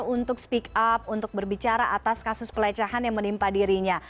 untuk speak up untuk berbicara atas kasus pelecehan yang menimpa dirinya